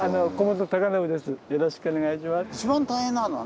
よろしくお願いします。